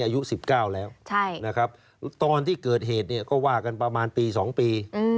ขนาดนี้อายุ๑๙แล้วตอนที่เกิดเหตุก็ว่ากันประมาณปี๒ปี